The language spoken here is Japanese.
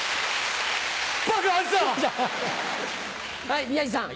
はい宮治さん。